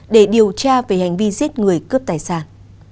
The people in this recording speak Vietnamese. để điều tra về hành vi giết người cướp tài sản